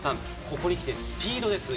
ここにきてスピードです